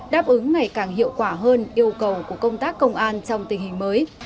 đáp ứng ngày càng hiệu quả hơn yêu cầu của công tác công an trong tình hình mới